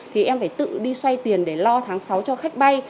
thì em phải tự đi xoay tiền để lo tháng sáu cho khách bay